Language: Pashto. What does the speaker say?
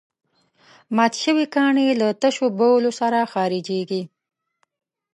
مات شوي کاڼي له تشو بولو سره خارجېږي.